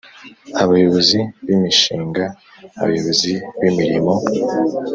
Abayobozi B Imishinga Abayobozi B Imirimo